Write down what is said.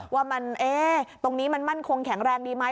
ว่าตรงนี้มันมั่นคงแข็งแรงดีไหม